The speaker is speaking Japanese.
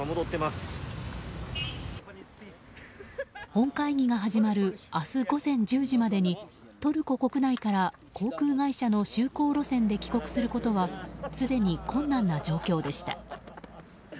本会議が始まる明日午前１０時までにトルコ国内から、航空会社の就航路線で帰国することはすでに困難な状況でした。